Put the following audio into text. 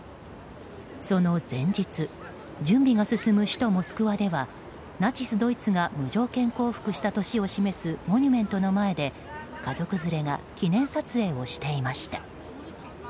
その前日準備が進む首都モスクワではナチスドイツが無条件降伏した年を示すモニュメントの前で家族連れが記念撮影をしていました。